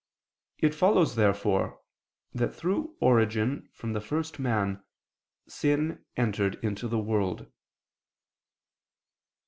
It follows therefore that through origin from the first man sin entered into the world.